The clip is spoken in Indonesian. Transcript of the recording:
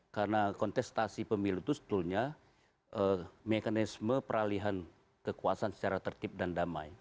karena kontestasi pemilu itu sebetulnya mekanisme peralihan kekuasaan secara tertib dan damai